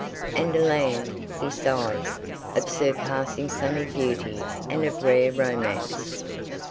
And a land, besides, of surpassing sunny beauty and of rare romance.